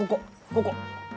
ここ！